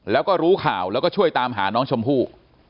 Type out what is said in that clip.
แล้วก็รู้ข่าวแล้วก็ช่วยตามหาน้องชมพู่